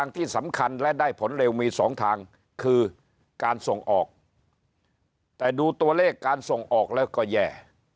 แต่ดูตัวเลขการส่งออกแล้วก็แย่